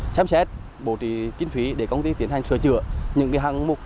xem xét bổ trí kinh phí để công ty tiến hành sửa chữa